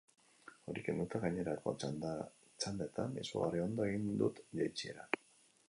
Hori kenduta, gainerako txandetan izugarri ondo egin dut jaitsiera.